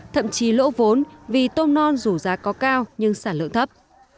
thậm chí lỗ vốn vì tôm non dù giá có cao nhưng sản lượng thấp